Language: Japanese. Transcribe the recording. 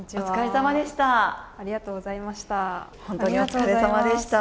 お疲れさまでした。